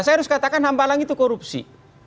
saya harus katakan hambalang itu korupsi